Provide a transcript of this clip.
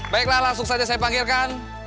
baiklah langsung saja saya panggilkan